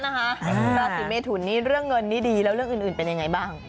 ราศีเมทุนนี้เรื่องเงินนี่ดีแล้วเรื่องอื่นเป็นยังไงบ้าง